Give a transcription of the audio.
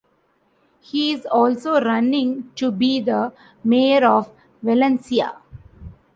He is also running to be the mayor of Valencia.